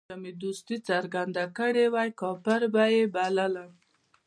که مې دوستي څرګنده کړې وای کافر به یې بللم.